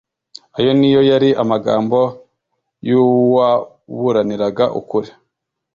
Ayo niyo yari amagambo y’uwaburaniraga ukuri.